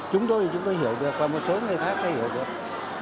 chúng tôi thì chúng tôi hiểu được và một số người khác hay hiểu được